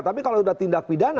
tapi kalau sudah tindak pidana